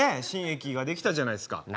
新駅が出来たじゃないですか。